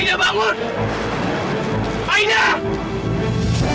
siapkan pertindakan sekarang cepat cepat